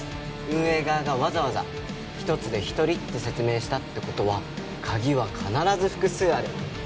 運営側がわざわざ１つで１人って説明したって事は鍵は必ず複数ある。